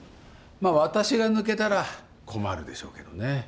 まあ私が抜けたら困るでしょうけどね。